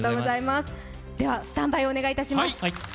では、スタンバイをお願いします。